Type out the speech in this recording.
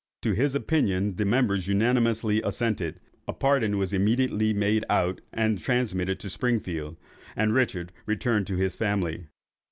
To his opinion the members unanimously assented. A pardon was immediately made out and transmitted to Springfield, and Richard returned to his family.